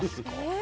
え？